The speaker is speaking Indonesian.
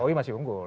bokowi masih unggul